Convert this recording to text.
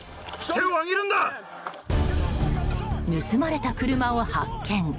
盗まれた車を発見。